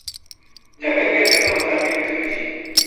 جاوید نے پیساں وَسطے اپنی کچر بیچی۔